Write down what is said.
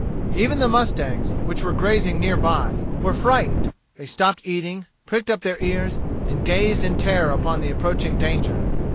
Even the mustangs, which were grazing near by, were frightened They stopped eating, pricked up their ears, and gazed in terror upon the approaching danger.